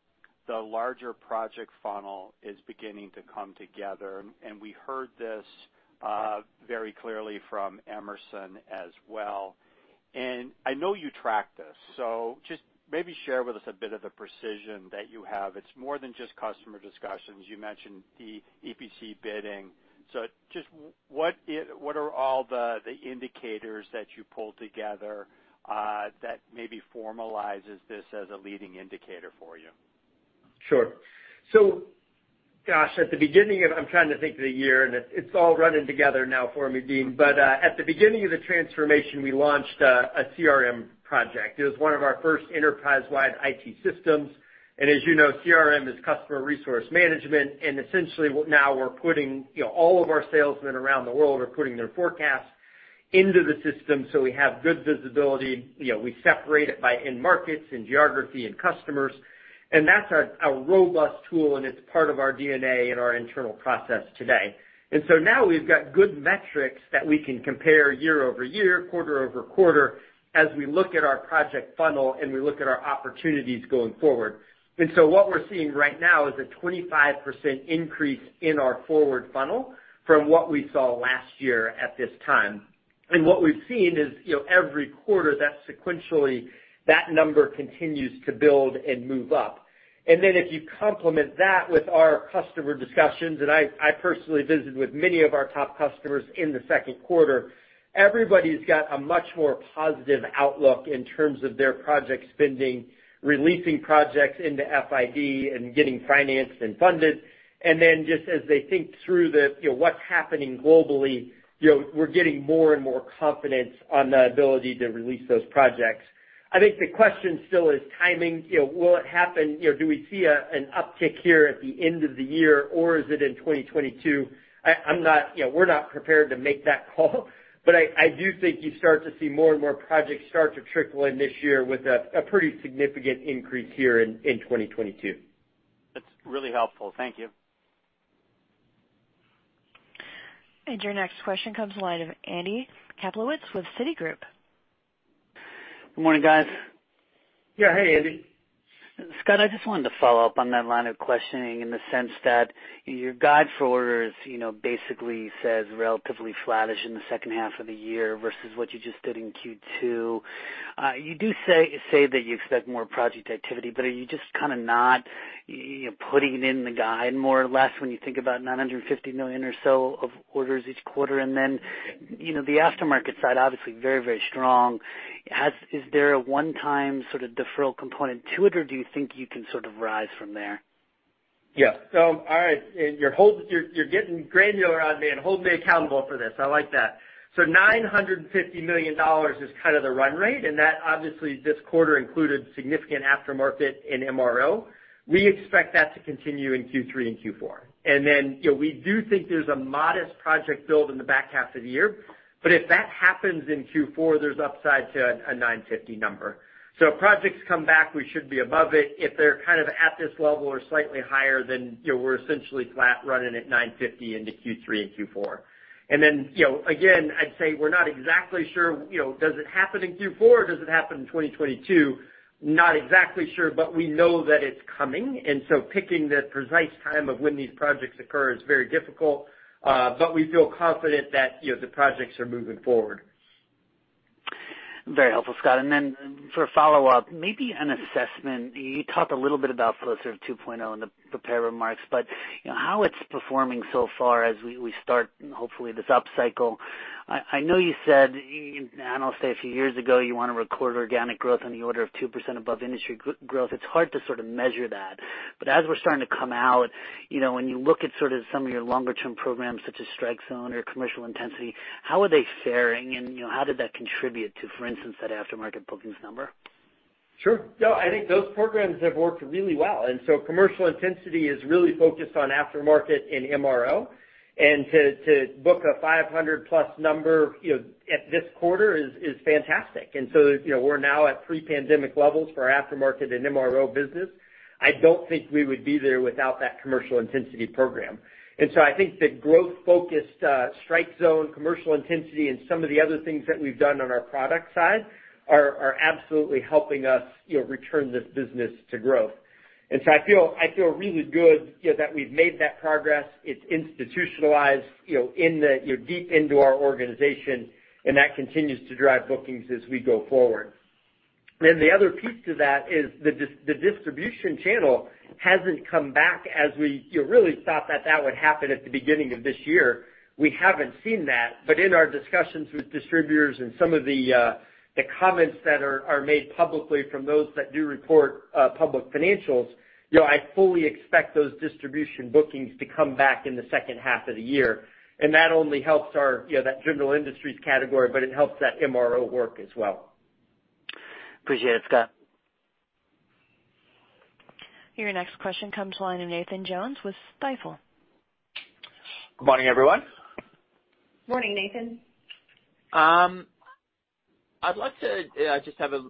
[SPEAKER 6] larger project funnel is beginning to come together, and we heard this very clearly from Emerson as well. I know you track this, so just maybe share with us a bit of the precision that you have. It's more than just customer discussions. You mentioned the EPC bidding. Just what are all the indicators that you pull together that maybe formalizes this as a leading indicator for you?
[SPEAKER 3] Sure. Gosh, I'm trying to think of the year, and it's all running together now for me, Deane. At the beginning of the transformation, we launched a CRM project. It was one of our first enterprise-wide IT systems. As you know, CRM is customer resource management, and essentially now we're putting all of our salesmen around the world are putting their forecasts into the system so we have good visibility. We separate it by end markets and geography and customers. That's a robust tool, and it's part of our DNA and our internal process today. Now we've got good metrics that we can compare year-over-year, quarter-over-quarter as we look at our project funnel and we look at our opportunities going forward. What we're seeing right now is a 25% increase in our forward funnel from what we saw last year at this time. What we've seen is every quarter that sequentially, that number continues to build and move up. If you complement that with our customer discussions, I personally visited with many of our top customers in the second quarter, everybody's got a much more positive outlook in terms of their project spending, releasing projects into FID, and getting financed and funded. Just as they think through what's happening globally, we're getting more and more confidence on the ability to release those projects. I think the question still is timing. Will it happen? Do we see an uptick here at the end of the year, or is it in 2022? We're not prepared to make that call, but I do think you start to see more and more projects start to trickle in this year with a pretty significant increase here in 2022.
[SPEAKER 6] That's really helpful. Thank you.
[SPEAKER 1] Your next question comes the line of Andy Kaplowitz with Citigroup.
[SPEAKER 7] Good morning, guys.
[SPEAKER 3] Yeah. Hey, Andy.
[SPEAKER 7] Scott, I just wanted to follow up on that line of questioning in the sense that your guide for orders basically says relatively flattish in the second half of the year versus what you just did in Q2. You do say that you expect more project activity, are you just kind of not putting it in the guide more or less when you think about $950 million or so of orders each quarter? The aftermarket side, obviously very, very strong. Is there a one-time sort of deferral component to it, or do you think you can sort of rise from there?
[SPEAKER 3] Yeah. All right. You're getting granular on me and holding me accountable for this. I like that. $950 million is kind of the run rate, and that obviously this quarter included significant aftermarket in MRO. We expect that to continue in Q3 and Q4. We do think there's a modest project build in the back half of the year, but if that happens in Q4, there's upside to a $950 million number. If projects come back, we should be above it. If they're kind of at this level or slightly higher, we're essentially flat running at $950 million into Q3 and Q4. Again, I'd say we're not exactly sure does it happen in Q4, does it happen in 2022? Not exactly sure, we know that it's coming. Picking the precise time of when these projects occur is very difficult. We feel confident that the projects are moving forward.
[SPEAKER 7] Very helpful, Scott. For follow-up, maybe an assessment. You talked a little bit about Flowserve 2.0 in the prepared remarks, but how it's performing so far as we start hopefully this up cycle. I know you said, I don't want to say a few years ago, you want to record organic growth on the order of 2% above industry growth. It's hard to sort of measure that. As we're starting to come out, when you look at sort of some of your longer-term programs such as Strike Zone or Commercial Intensity, how are they faring? How did that contribute to, for instance, that aftermarket bookings number?
[SPEAKER 3] Sure. No, I think those programs have worked really well. Commercial Intensity is really focused on aftermarket and MRO. To book a 500+ number at this quarter is fantastic. We're now at pre-pandemic levels for our aftermarket and MRO business. I don't think we would be there without that Commercial Intensity program. I think the growth-focused Strike Zone, Commercial Intensity, and some of the other things that we've done on our product side are absolutely helping us return this business to growth. I feel really good that we've made that progress. It's institutionalized deep into our organization, and that continues to drive bookings as we go forward. The other piece to that is the distribution channel hasn't come back as we really thought that that would happen at the beginning of this year. We haven't seen that, but in our discussions with distributors and some of the comments that are made publicly from those that do report public financials, I fully expect those distribution bookings to come back in the second half of the year. That only helps that general industries category, but it helps that MRO work as well.
[SPEAKER 7] Appreciate it, Scott.
[SPEAKER 1] Your next question comes to the line of Nathan Jones with Stifel.
[SPEAKER 8] Good morning, everyone.
[SPEAKER 4] Morning, Nathan.
[SPEAKER 8] I'd like to just have a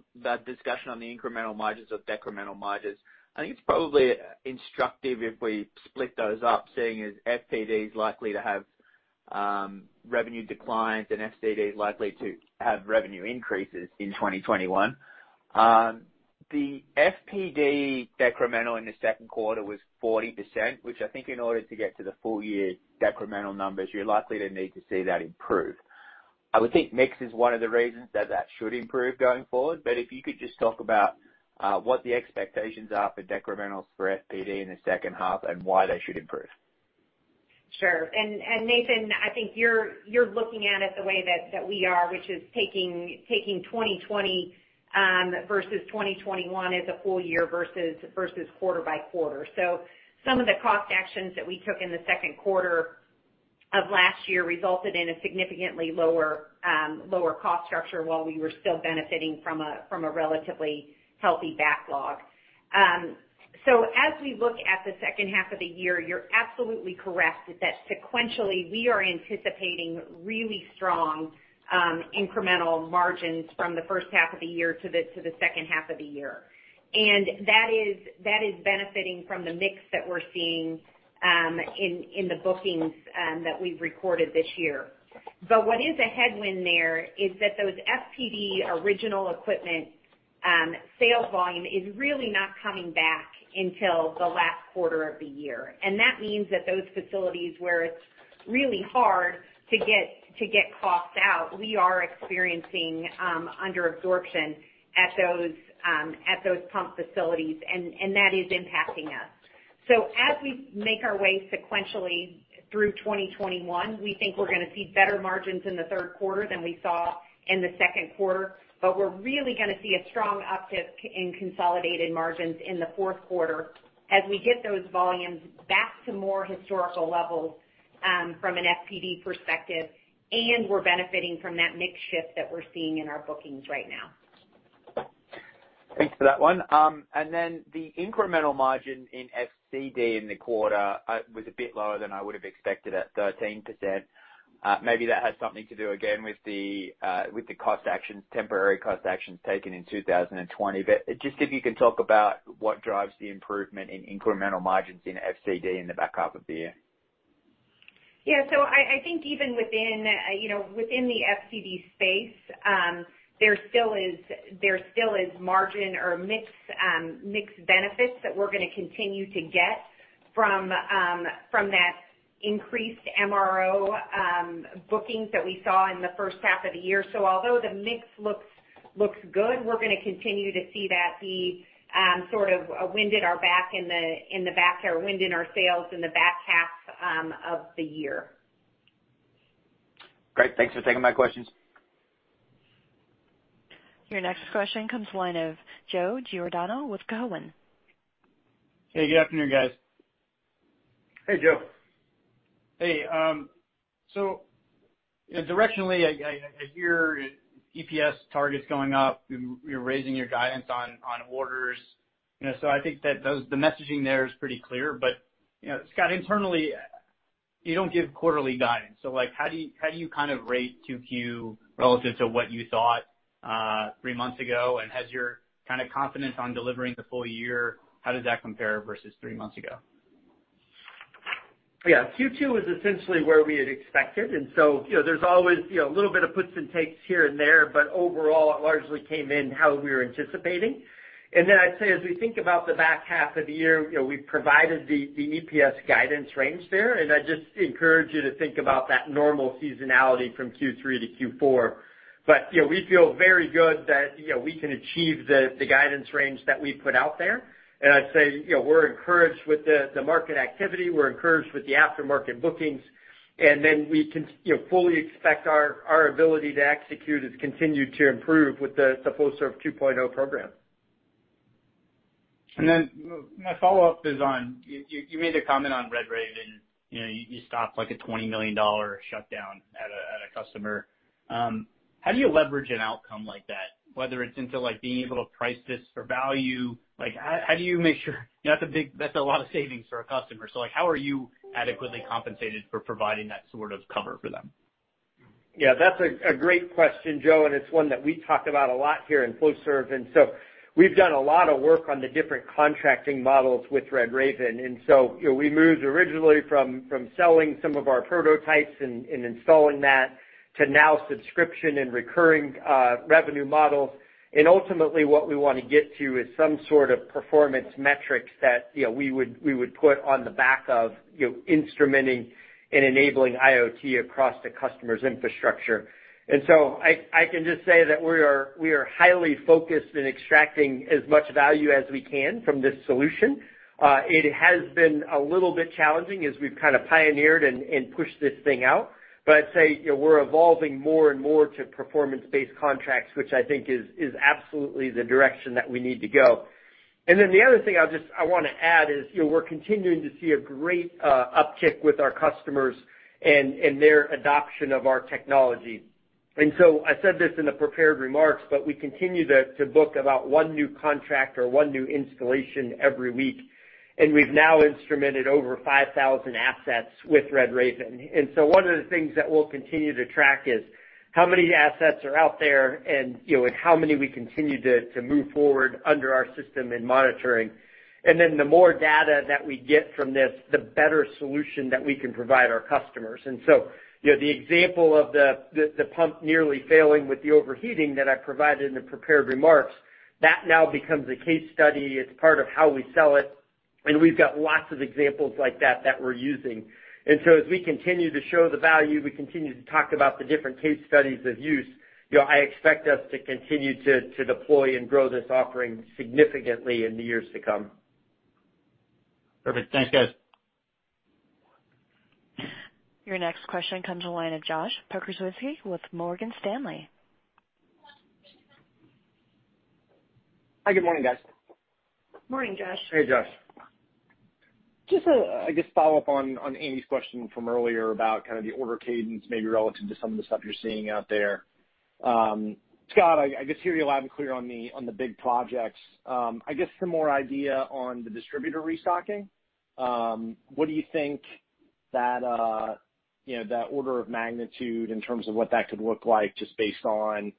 [SPEAKER 8] discussion on the incremental margins of decremental margins. I think it's probably instructive if we split those up, seeing as FPD is likely to have revenue declines and FCD is likely to have revenue increases in 2021. The FPD decremental in the second quarter was 40%, which I think in order to get to the full year decremental numbers, you're likely to need to see that improve. I would think mix is one of the reasons that that should improve going forward. If you could just talk about what the expectations are for decrementals for FPD in the second half and why they should improve.
[SPEAKER 4] Sure. Nathan, I think you're looking at it the way that we are, which is taking 2020 versus 2021 as a full year versus quarter-by-quarter. Some of the cost actions that we took in the second quarter of last year resulted in a significantly lower cost structure while we were still benefiting from a relatively healthy backlog. As we look at the second half of the year, you're absolutely correct that sequentially we are anticipating really strong incremental margins from the first half of the year to the second half of the year. That is benefiting from the mix that we're seeing in the bookings that we've recorded this year. What is a headwind there is that those FPD original equipment sales volume is really not coming back until the last quarter of the year. That means that those facilities where it's really hard to get costs out, we are experiencing under absorption at those pump facilities, and that is impacting us. As we make our way sequentially through 2021, we think we're going to see better margins in the third quarter than we saw in the second quarter. We're really going to see a strong uptick in consolidated margins in the fourth quarter as we get those volumes back to more historical levels from an FPD perspective, and we're benefiting from that mix shift that we're seeing in our bookings right now.
[SPEAKER 8] Thanks for that one. Then the incremental margin in FCD in the quarter was a bit lower than I would have expected at 13%. Maybe that has something to do again with the temporary cost actions taken in 2020. Just if you can talk about what drives the improvement in incremental margins in FCD in the back half of the year.
[SPEAKER 4] Yeah. I think even within the FCD space, there still is margin or mix benefits that we're going to continue to get from that increased MRO bookings that we saw in the first half of the year. Although the mix looks good, we're going to continue to see that the sort of wind in our sails in the back half of the year.
[SPEAKER 8] Great. Thanks for taking my questions.
[SPEAKER 1] Your next question comes the line of Joe Giordano with Cowen.
[SPEAKER 9] Hey, good afternoon, guys.
[SPEAKER 3] Hey, Joe.
[SPEAKER 9] Hey. Directionally, I hear EPS targets going up. You're raising your guidance on orders. I think that the messaging there is pretty clear. Scott, internally, you don't give quarterly guidance. How do you kind of rate 2Q relative to what you thought three months ago? Has your kind of confidence on delivering the full year, how does that compare versus three months ago?
[SPEAKER 3] Q2 was essentially where we had expected. There's always a little bit of puts and takes here and there. Overall, it largely came in how we were anticipating. I'd say, as we think about the back half of the year, we've provided the EPS guidance range there. I'd just encourage you to think about that normal seasonality from Q3 to Q4. We feel very good that we can achieve the guidance range that we put out there. I'd say, we're encouraged with the market activity. We're encouraged with the aftermarket bookings. We fully expect our ability to execute has continued to improve with the Flowserve 2.0 program.
[SPEAKER 9] My follow-up is on, you made a comment on RedRaven. You stopped like a $20 million shutdown at a customer. How do you leverage an outcome like that, whether it's into being able to price this for value, how do you make sure that's a lot of savings for a customer. How are you adequately compensated for providing that sort of cover for them?
[SPEAKER 3] That's a great question, Joe, and it's one that we talk about a lot here in Flowserve. We've done a lot of work on the different contracting models with RedRaven. We moved originally from selling some of our prototypes and installing that to now subscription and recurring revenue models. Ultimately, what we want to get to is some sort of performance metrics that we would put on the back of instrumenting and enabling IoT across the customer's infrastructure. I can just say that we are highly focused in extracting as much value as we can from this solution. It has been a little bit challenging as we've kind of pioneered and pushed this thing out. I'd say we're evolving more and more to performance-based contracts, which I think is absolutely the direction that we need to go. The other thing I want to add is we're continuing to see a great uptick with our customers and their adoption of our technology. I said this in the prepared remarks, but we continue to book about one new contract or one new installation every week, and we've now instrumented over 5,000 assets with RedRaven. One of the things that we'll continue to track is how many assets are out there and how many we continue to move forward under our system and monitoring. The more data that we get from this, the better solution that we can provide our customers. The example of the pump nearly failing with the overheating that I provided in the prepared remarks, that now becomes a case study. It's part of how we sell it, and we've got lots of examples like that that we're using. As we continue to show the value, we continue to talk about the different case studies of use, I expect us to continue to deploy and grow this offering significantly in the years to come.
[SPEAKER 9] Perfect. Thanks, guys.
[SPEAKER 1] Your next question comes the line of Josh Pokrzywinski with Morgan Stanley.
[SPEAKER 10] Hi, good morning, guys.
[SPEAKER 4] Morning, Josh.
[SPEAKER 3] Hey, Josh.
[SPEAKER 10] Just a, I guess, follow-up on Amy's question from earlier about kind of the order cadence, maybe relative to some of the stuff you're seeing out there. Scott, I guess hear you loud and clear on the big projects. I guess some more idea on the distributor restocking. What do you think that order of magnitude in terms of what that could look like just based on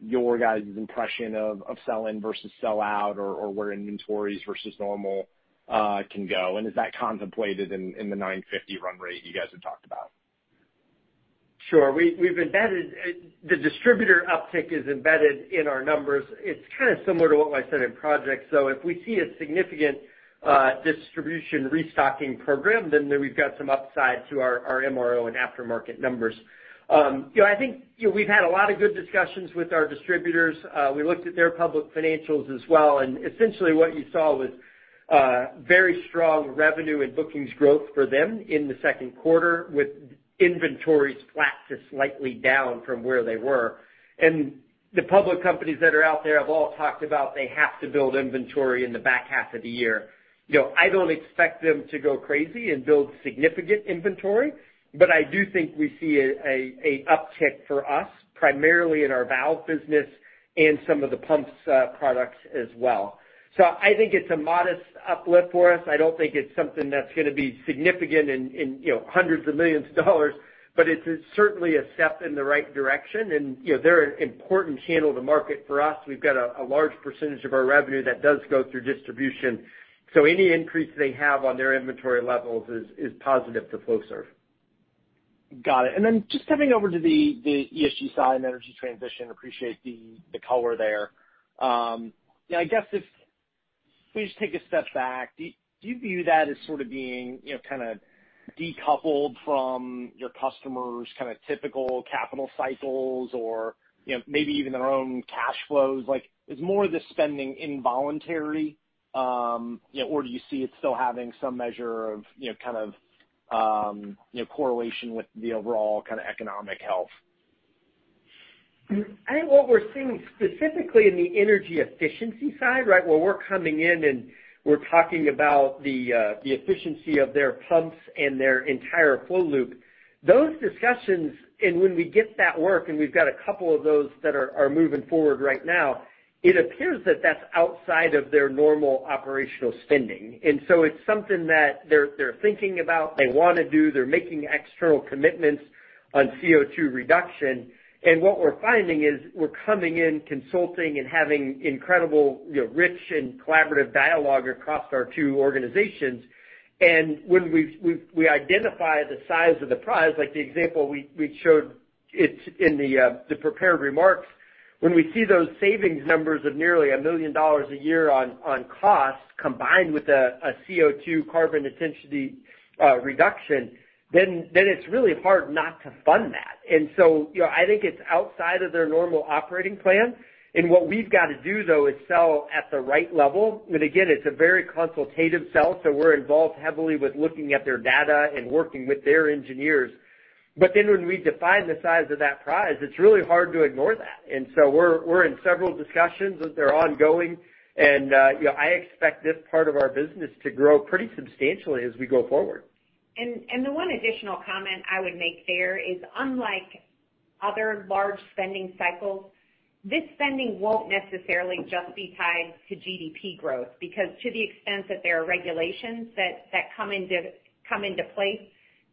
[SPEAKER 10] your guys' impression of sell in versus sell out or where inventories versus normal can go, and is that contemplated in the $950 million run rate you guys have talked about?
[SPEAKER 3] Sure. The distributor uptick is embedded in our numbers. It's kind of similar to what I said in projects. If we see a significant distribution restocking program, then we've got some upside to our MRO and aftermarket numbers. I think we've had a lot of good discussions with our distributors. We looked at their public financials as well, and essentially what you saw was very strong revenue and bookings growth for them in the second quarter with inventories flat to slightly down from where they were. The public companies that are out there have all talked about they have to build inventory in the back half of the year. I don't expect them to go crazy and build significant inventory, but I do think we see a uptick for us, primarily in our valve business and some of the pumps products as well. I think it's a modest uplift for us. I don't think it's something that's going to be significant in hundreds of millions of dollars, but it's certainly a step in the right direction, and they're an important channel to market for us. We've got a large percentage of our revenue that does go through distribution. Any increase they have on their inventory levels is positive to Flowserve.
[SPEAKER 10] Got it. Then just coming over to the ESG side and energy transition, appreciate the color there. I guess if we just take a step back, do you view that as sort of being kind of decoupled from your customers' kind of typical capital cycles or maybe even their own cash flows? Is more of the spending involuntary, or do you see it still having some measure of correlation with the overall economic health?
[SPEAKER 3] I think what we're seeing specifically in the energy efficiency side, right? Where we're coming in and we're talking about the efficiency of their pumps and their entire flow loop. Those discussions, and when we get that work, and we've got a couple of those that are moving forward right now, it appears that that's outside of their normal operational spending. It's something that they're thinking about, they want to do, they're making external commitments on CO2 reduction. What we're finding is we're coming in consulting and having incredible, rich, and collaborative dialogue across our two organizations. When we identify the size of the prize, like the example we showed in the prepared remarks, when we see those savings numbers of nearly $1 million a year on costs combined with a CO2 carbon intensity reduction, then it's really hard not to fund that. I think it's outside of their normal operating plan, and what we've got to do, though, is sell at the right level. Again, it's a very consultative sell, so we're involved heavily with looking at their data and working with their engineers. When we define the size of that prize, it's really hard to ignore that. We're in several discussions that they're ongoing and I expect this part of our business to grow pretty substantially as we go forward.
[SPEAKER 4] The one additional comment I would make there is, unlike other large spending cycles, this spending won't necessarily just be tied to GDP growth, because to the extent that there are regulations that come into place,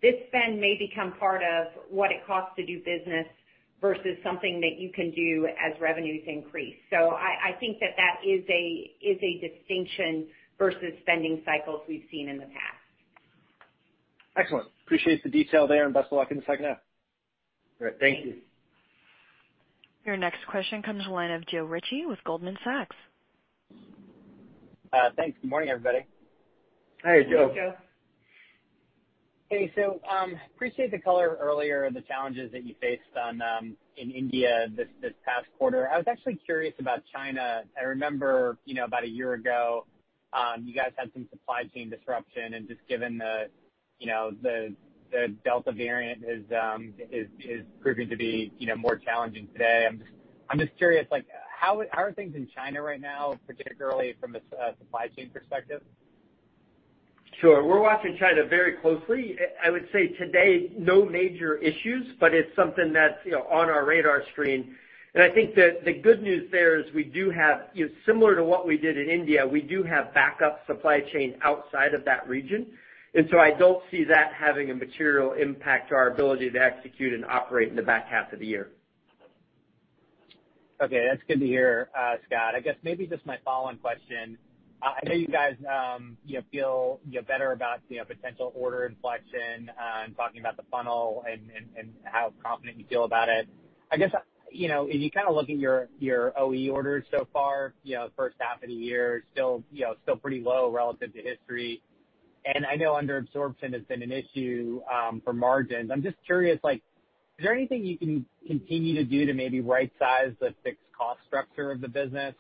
[SPEAKER 4] this spend may become part of what it costs to do business versus something that you can do as revenues increase. I think that that is a distinction versus spending cycles we've seen in the past.
[SPEAKER 10] Excellent. Appreciate the detail there, and best of luck in the second half.
[SPEAKER 3] Great. Thank you.
[SPEAKER 4] Thanks.
[SPEAKER 1] Your next question comes the line of Joe Ritchie with Goldman Sachs.
[SPEAKER 11] Thanks. Good morning, everybody.
[SPEAKER 3] Hey, Joe.
[SPEAKER 4] Hey, Joe.
[SPEAKER 11] Hey, appreciate the color earlier, the challenges that you faced in India this past quarter. I was actually curious about China. I remember about a year ago, you guys had some supply chain disruption and just given the Delta variant is proving to be more challenging today. I'm just curious, how are things in China right now, particularly from a supply chain perspective?
[SPEAKER 3] Sure. We're watching China very closely. I would say today, no major issues, but it's something that's on our radar screen. I think that the good news there is similar to what we did in India, we do have backup supply chain outside of that region. I don't see that having a material impact to our ability to execute and operate in the back half of the year.
[SPEAKER 11] Okay. That's good to hear, Scott. I guess maybe just my follow-on question. I know you guys feel better about potential order inflection and talking about the funnel and how confident you feel about it. I guess, as you kind of look at your OE orders so far, first half of the year is still pretty low relative to history. I know underabsorption has been an issue for margins. I'm just curious, is there anything you can continue to do to maybe right size the fixed cost structure of the business,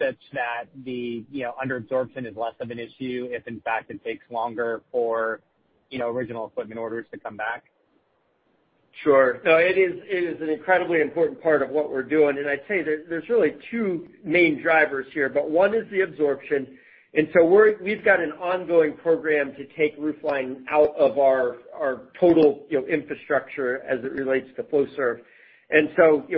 [SPEAKER 11] such that the underabsorption is less of an issue if in fact it takes longer for original equipment orders to come back?
[SPEAKER 3] Sure. No, it is an incredibly important part of what we're doing, and I'd say there's really two main drivers here, but one is the absorption. We've got an ongoing program to take roofline out of our total infrastructure as it relates to Flowserve.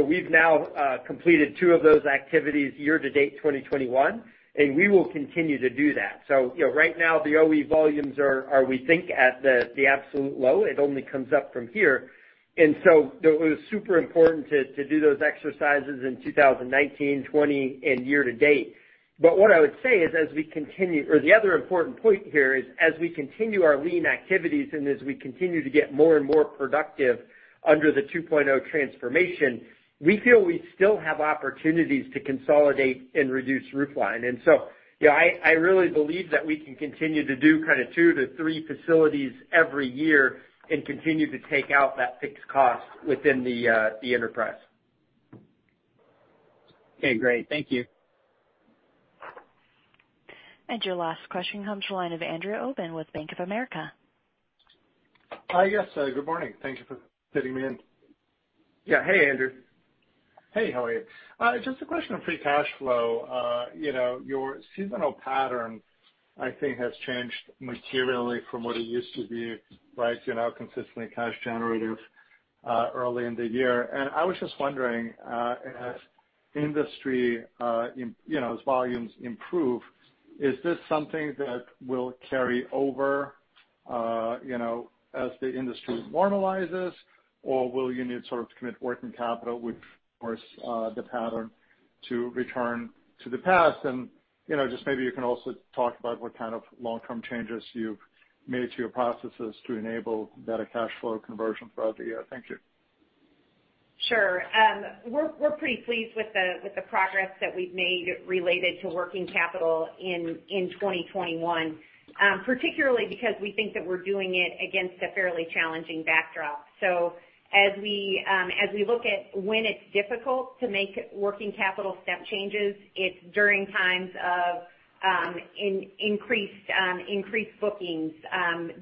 [SPEAKER 3] We've now completed two of those activities year to date 2021, and we will continue to do that. Right now the OE volumes are, we think, at the absolute low. It only comes up from here. It was super important to do those exercises in 2019, 2020, and year-to-date. What I would say is as we continue, or the other important point here is as we continue our lean activities and as we continue to get more and more productive under the 2.0 transformation, we feel we still have opportunities to consolidate and reduce roofline. I really believe that we can continue to do kind of two to thrree facilities every year and continue to take out that fixed cost within the enterprise.
[SPEAKER 11] Okay, great. Thank you.
[SPEAKER 1] Your last question comes the line of Andrew Obin with Bank of America.
[SPEAKER 12] Yes. Good morning. Thank you for fitting me in.
[SPEAKER 3] Yeah. Hey, Andrew.
[SPEAKER 12] Hey, how are you? Just a question on free cash flow. Your seasonal pattern, I think, has changed materially from what it used to be, right? You're now consistently cash generative early in the year. I was just wondering, as industry volumes improve, is this something that will carry over as the industry normalizes, or will you need to sort of commit working capital with, of course, the pattern to return to the past? Maybe you can also talk about what kind of long-term changes you've made to your processes to enable better cash flow conversion throughout the year. Thank you.
[SPEAKER 4] Sure. We're pretty pleased with the progress that we've made related to working capital in 2021. Particularly because we think that we're doing it against a fairly challenging backdrop. As we look at when it's difficult to make working capital step changes, it's during times of increased bookings,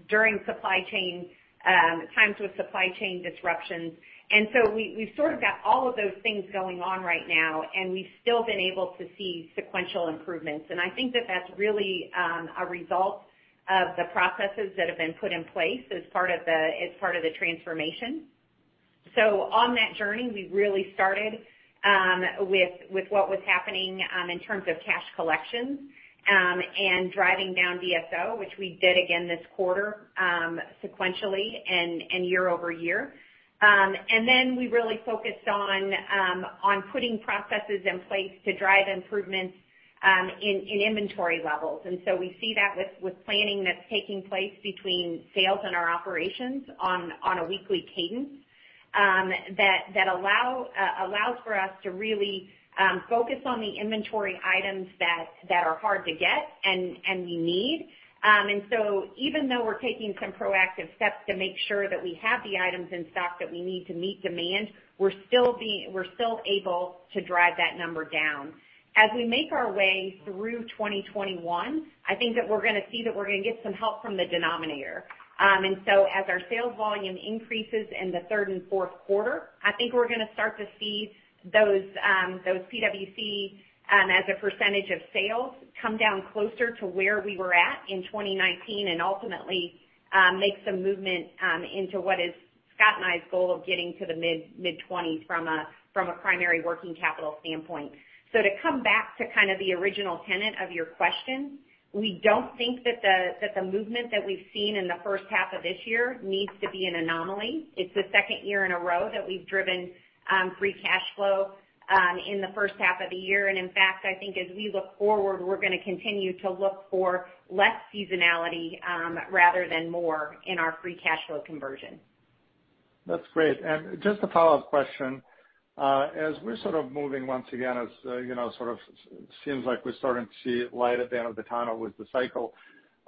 [SPEAKER 4] during times with supply chain disruptions. We've sort of got all of those things going on right now, and we've still been able to see sequential improvements. I think that that's really a result of the processes that have been put in place as part of the transformation. On that journey, we really started with what was happening in terms of cash collections, and driving down DSO, which we did again this quarter, sequentially and year-over-year. Then we really focused on putting processes in place to drive improvements in inventory levels. We see that with planning that's taking place between sales and our operations on a weekly cadence, that allows for us to really focus on the inventory items that are hard to get and we need. Even though we're taking some proactive steps to make sure that we have the items in stock that we need to meet demand, we're still able to drive that number down. As we make our way through 2021, I think that we're going to see that we're going to get some help from the denominator. As our sales volume increases in the third and fourth quarter, I think we're going to start to see those PWC as a percentage of sales come down closer to where we were at in 2019 and ultimately make some movement into what is Scott and I's goal of getting to the mid-20% from a primary working capital standpoint. To come back to kind of the original tenet of your question, we don't think that the movement that we've seen in the first half of this year needs to be an anomaly. It's the second year in a row that we've driven free cash flow in the first half of the year. In fact, I think as we look forward, we're going to continue to look for less seasonality, rather than more in our free cash flow conversion.
[SPEAKER 12] That's great. Just a follow-up question. As we're sort of moving once again, as it sort of seems like we're starting to see light at the end of the tunnel with the cycle,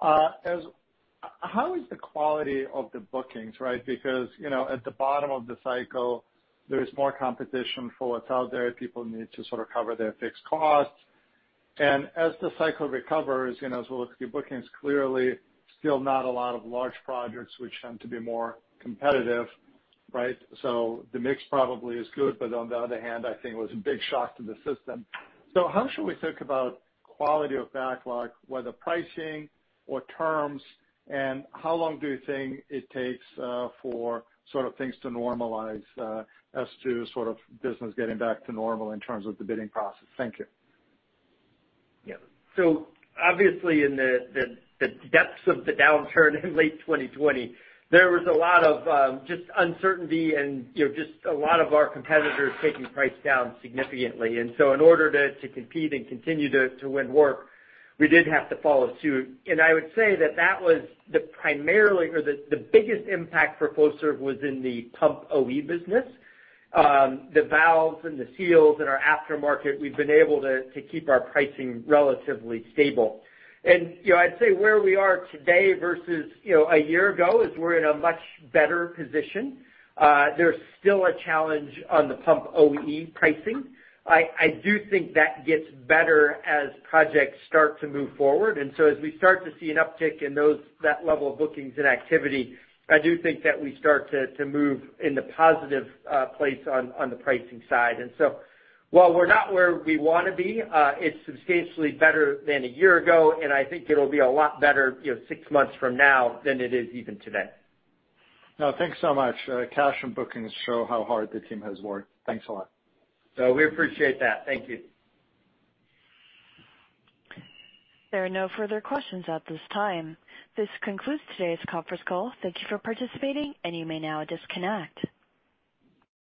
[SPEAKER 12] how is the quality of the bookings, right? Because at the bottom of the cycle, there is more competition for what's out there. People need to sort of cover their fixed costs. As the cycle recovers, as we look at your bookings, clearly still not a lot of large projects which tend to be more competitive, right? The mix probably is good, but on the other hand, I think it was a big shock to the system. How should we think about quality of backlog, whether pricing or terms, and how long do you think it takes for things to normalize as to business getting back to normal in terms of the bidding process? Thank you.
[SPEAKER 3] Yeah. Obviously in the depths of the downturn in late 2020, there was a lot of just uncertainty and just a lot of our competitors taking price down significantly. In order to compete and continue to win work, we did have to follow suit. I would say that that was the primarily or the biggest impact for Flowserve was in the pump OE business. The valves and the seals in our aftermarket, we've been able to keep our pricing relatively stable. I'd say where we are today versus a year ago is we're in a much better position. There's still a challenge on the pump OE pricing. I do think that gets better as projects start to move forward. As we start to see an uptick in that level of bookings and activity, I do think that we start to move in the positive place on the pricing side. While we're not where we want to be, it's substantially better than a year ago, and I think it'll be a lot better six months from now than it is even today.
[SPEAKER 12] No, thanks so much. Cash and bookings show how hard the team has worked. Thanks a lot.
[SPEAKER 3] We appreciate that. Thank you.
[SPEAKER 1] There are no further questions at this time. This concludes today's conference call. Thank you for participating, and you may now disconnect.